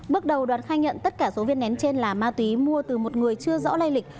bước đầu đoàn khai nhận tất cả số viên nén trên là ma túy mua từ một người chưa rõ lây lịch